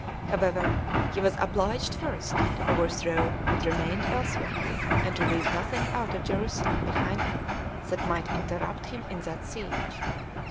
However, he was obliged first to overthrow what remained elsewhere, and to leave nothing out of Jerusalem behind him that might interrupt him in that siege.